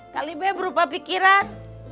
kali b berupa pikiran